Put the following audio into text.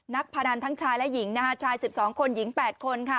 พนันทั้งชายและหญิงนะคะชาย๑๒คนหญิง๘คนค่ะ